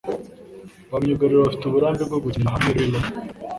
Ba myugariro bafite uburambe bwo gukinira hamwe Riley